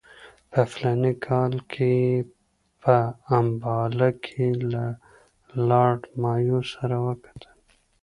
په فلاني کال کې یې په امباله کې له لارډ مایو سره وکتل.